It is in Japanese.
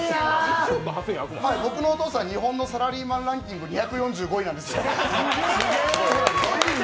僕のお父さん、日本のサラリーマンランキング２４５位なんですよ。